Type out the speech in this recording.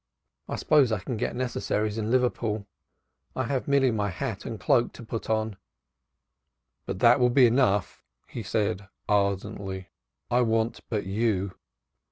I suppose I can get necessaries in Liverpool. I have merely my hat and cloak to put on." "But that will be enough," he said ardently. "I want but you."